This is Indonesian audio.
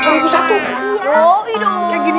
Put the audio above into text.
kalian jual berapa ini